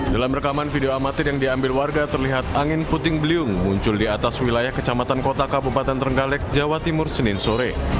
dalam rekaman video amatir yang diambil warga terlihat angin puting beliung muncul di atas wilayah kecamatan kota kabupaten trenggalek jawa timur senin sore